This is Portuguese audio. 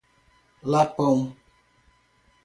Lapão